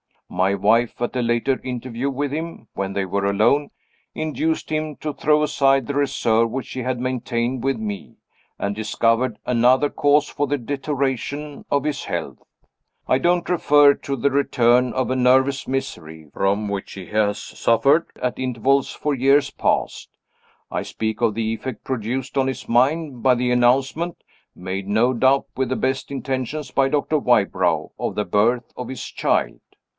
My wife, at a later interview with him, when they were alone, induced him to throw aside the reserve which he had maintained with me, and discovered another cause for the deterioration in his health. I don't refer to the return of a nervous misery, from which he has suffered at intervals for years past; I speak of the effect produced on his mind by the announcement made no doubt with best intentions by Doctor Wybrow of the birth of his child.